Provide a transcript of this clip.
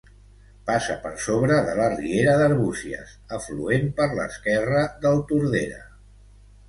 Passa per sobre de la riera d'Arbúcies, afluent per l'esquerra del Tordera.